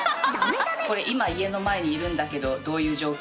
「これ今家の前にいるんだけどどういう状況？」